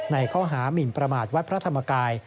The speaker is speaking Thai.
ในข้อหามินประมาทวัดพระธรรมกาย